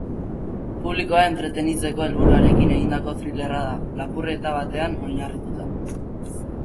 Publikoa entretenitzeko helburuarekin egindako thrillerra da, lapurreta batean oinarrituta.